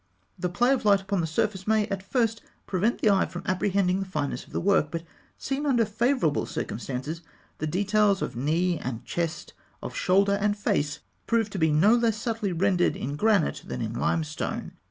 The play of light upon the surface may at first prevent the eye from apprehending the fineness of the work; but, seen under favourable circumstances, the details of knee and chest, of shoulder and face, prove to be no less subtly rendered in granite than in limestone.